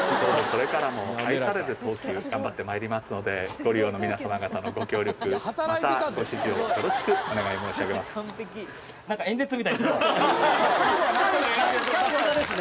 これからも愛される東急、頑張ってまいりますので、ご利用の皆様方のご協力、またご支持を、よろしくお願い申し上げます。